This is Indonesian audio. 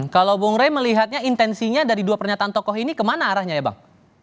kalau bung rey melihatnya intensinya dari dua pernyataan tokoh ini kemana arahnya ya bang